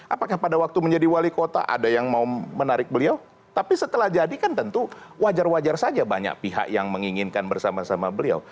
apakah pada waktu menjadi wali kota ada yang mau menarik beliau tapi setelah jadi kan tentu wajar wajar saja banyak pihak yang menginginkan bersama sama beliau